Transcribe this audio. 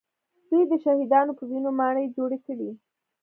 دوی د شهیدانو په وینو ماڼۍ جوړې کړې